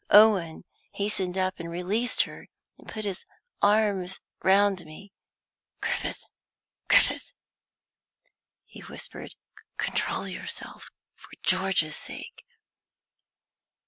Owen hastened up and released her, and put his arms round me. "Griffith, Griffith!" he whispered, "control yourself, for George's sake."